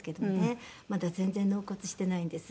まだ全然納骨してないんです。